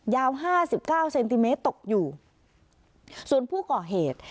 ห้าสิบเก้าเซนติเมตรตกอยู่ส่วนผู้ก่อเหตุ